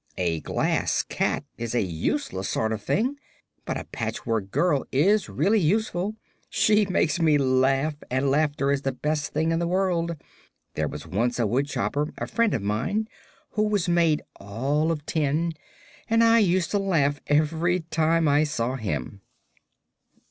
A glass cat is a useless sort of thing, but a Patchwork Girl is really useful. She makes me laugh, and laughter is the best thing in life. There was once a woodchopper, a friend of mine, who was made all of tin, and I used to laugh every time I saw him."